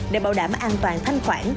để bảo đảm an toàn thanh khoản